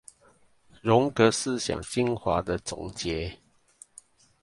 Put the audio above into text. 榮格思想精華的總結